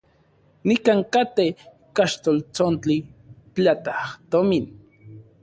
Nikan katej kaxltoltsontli platajtomin.